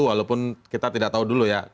walaupun kita tidak tahu dulu ya